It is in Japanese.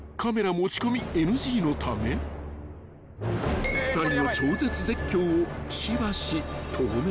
持ち込みＮＧのため２人の超絶絶叫を］